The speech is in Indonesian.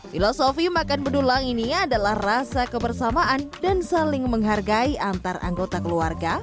filosofi makan bedulang ini adalah rasa kebersamaan dan saling menghargai antar anggota keluarga